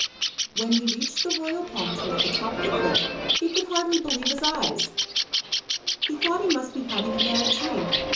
When he reached the royal palm tree at the top of the cliff he could hardly believe his eyes. He thought he must be having a bad dream.